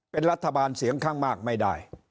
เป็นรัฐบาลเสียงข้างมากไม่ได้